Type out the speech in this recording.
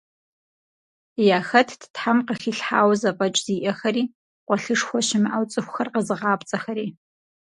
Яхэтт Тхьэм къыхилъхьауэ зэфӏэкӏ зиӏэхэри, къуэлъышхуэ щымыӏэу цӏыхухэр къэзыгъапцӏэхэри.